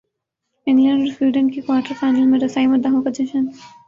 England اور Sweden کی quarter final میں رسائی مداحوں کا جشن